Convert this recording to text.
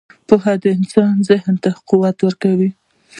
• پوهه د انسان ذهن ته قوت ورکوي.